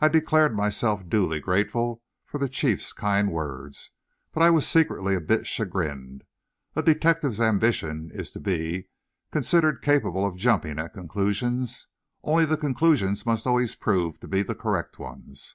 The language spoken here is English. I declared myself duly grateful for the Chief's kind words, but I was secretly a bit chagrined. A detective's ambition is to be, considered capable of jumping at conclusions, only the conclusions must always prove to be correct ones.